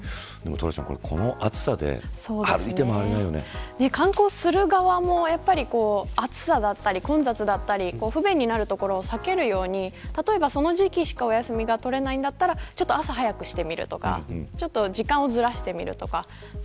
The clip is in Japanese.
トラちゃん観光する側も暑さだったり混雑だったり不便になる所を避けるように例えば、その時期しかお休みが取れないんだったら朝早くしてみるとか時間をずらしてみるとか。